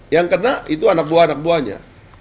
yang kena itu anak buah anak buahnya